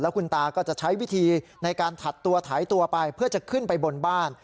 คุณตาก็จะใช้วิธีในการถัดตัวไถตัวไปเพื่อจะขึ้นไปบนบ้าน